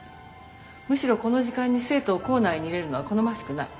むしろこの時間に生徒を校内に入れるのは好ましくない。